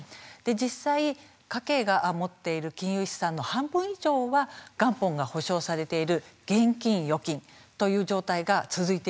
実際、家計が持っている金融資産の半分以上は元本が保証されている現金、預金という状態が続いているんですね。